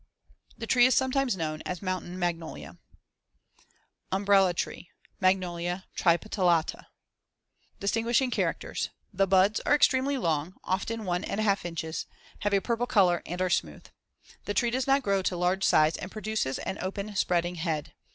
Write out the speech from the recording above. The tree is sometimes known as mountain magnolia. UMBRELLA TREE (Magnolia tripetala) Distinguishing characters: The buds, Fig. 80, are extremely long, often one and a half inches, have a purple color and are smooth. The tree does not grow to large size and produces an open spreading head.